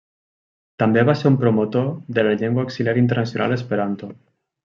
També va ser un promotor de la llengua auxiliar internacional esperanto.